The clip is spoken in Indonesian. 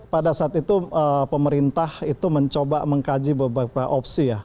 pada saat itu pemerintah itu mencoba mengkaji beberapa opsi ya